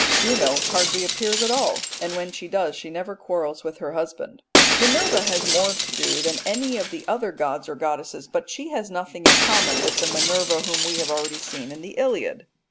Juno hardly appears at all, and when she does she never quarrels with her husband. Minerva has more to do than any of the other gods or goddesses, but she has nothing in common with the Minerva whom we have already seen in the Iliad.